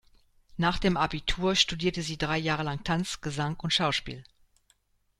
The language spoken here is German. Nach dem Abitur studierte sie drei Jahre lang Tanz, Gesang und Schauspiel.